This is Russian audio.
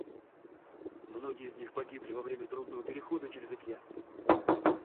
Многие из них погибли во время трудного перехода через океан.